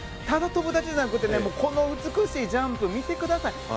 ただ跳ぶだけじゃなくてこの美しいジャンプを見てください。